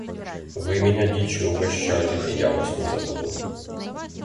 Вы меня дичью угощали, и я вас не забуду.